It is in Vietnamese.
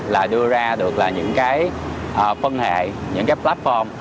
là đưa ra được là những cái phân hệ những cái platform